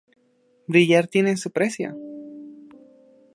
Brillar tiene su precio!